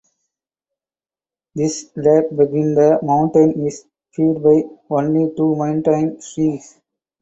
This lake between the mountains is fed by only two mountain streams.